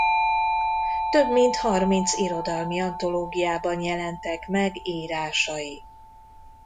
Több mint harminc irodalmi antológiában jelentek meg írásai.